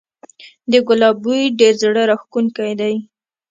د ګلاب بوی ډیر زړه راښکونکی دی